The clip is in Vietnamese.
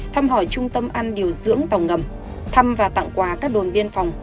thăm hỏi trung tâm ăn điều dưỡng tàu ngầm thăm và tặng quà các đồn biên phòng